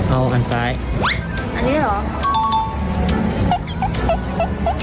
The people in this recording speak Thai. เอาอันซ้ายอันนี้เหรอ